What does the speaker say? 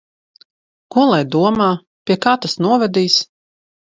Ko lai domā? Pie kā tas novedīs?